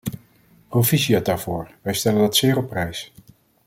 Proficiat daarvoor, wij stellen dat zeer op prijs.